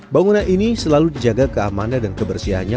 bangunan ini selalu dijaga keamanan dan kebersihannya